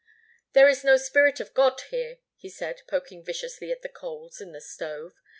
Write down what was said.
"There is no spirit of God here," he said, poking viciously at the coals in the stove.